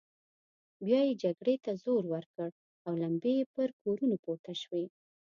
بيا يې جګړې ته زور ورکړ او لمبې يې پر کورونو پورته شوې.